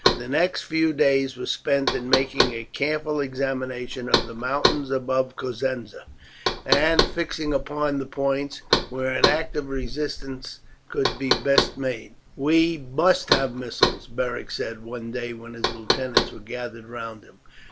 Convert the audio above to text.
The next few days were spent in making a careful examination of the mountains above Cosenza, and fixing upon the points where an active resistance could be best made. "We must have missiles," Beric said one day when his lieutenants were gathered round him.